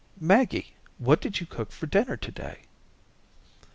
"Maggie, what did you cook for dinner to day?"